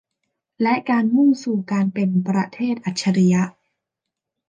และการมุ่งสู่การเป็นประเทศอัจฉริยะ